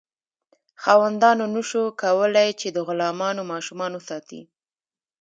خاوندانو نشو کولی چې د غلامانو ماشومان وساتي.